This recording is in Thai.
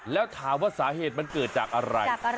แล้วถามว่าสาเหตุมันเกิดจากอะไร